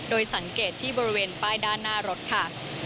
โดยสังเกตที่บริเวณป้ายด้านหน้ารถค่ะ